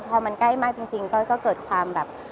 พอมันใกล้มากจริงก้อยก็เกิดความแบบ